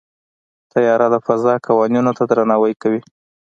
طیاره د فضا قوانینو ته درناوی کوي.